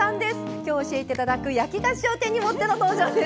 今回、教えていただく焼き菓子を手に持っての登場です。